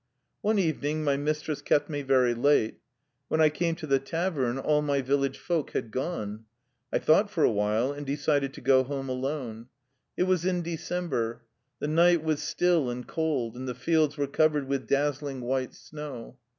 One evening my mistress kept me very late. When I came to the tavern, all my village folk had gone. I thought for a while, and decided to go home alone. It was in De cember. The night was still and cold, and the fields were covered with dazzling white snow.